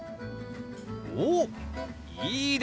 おっいいですね！